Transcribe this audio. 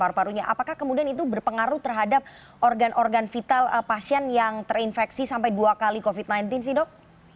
apakah kemudian itu berpengaruh terhadap organ organ vital pasien yang terinfeksi sampai dua kali covid sembilan belas sih dok